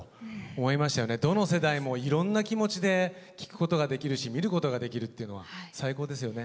どの世代もいろんな気持ちで聴くことができるし見ることができるっていうのは最高ですよね。